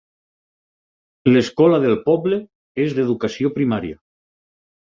L'escola del poble és d'educació primària.